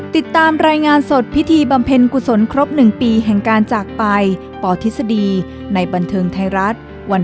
สุดท้ายต่อเขาก็ไปสบาย